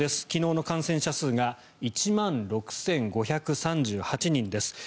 昨日の感染者数が１万６５３８人です。